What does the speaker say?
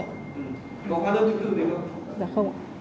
có hóa đơn chứng tư được không